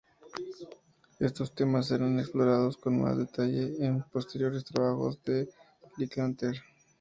Estos temas serán explorados con más detalle en posteriores trabajos de Linklater.